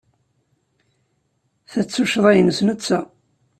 Ta d tuccḍa-nnes netta.